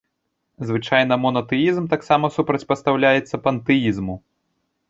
Звычайна монатэізм таксама супрацьпастаўляецца пантэізму.